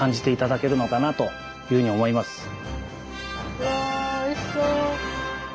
うわおいしそう。